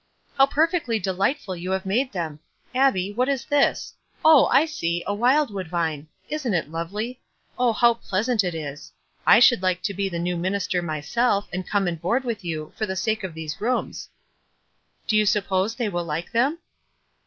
"How perfectly delightful you have made them! Abbie, what is this? Oh, I see — a wildwood vine. Isn't it lovely? Oh, how pleasant it is. I should like to be the new minister myself, and come and board with you, for the sake of these rooms." 6 WISE AND OTHERWISE. "Do you suppose they will like them?"